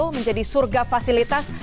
menjadi surga fasilitas